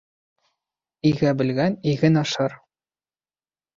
Игә белгән иген ашар